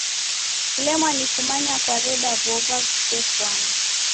Kulemwa ni kumanya kwareda w'ow'a ghusefwane.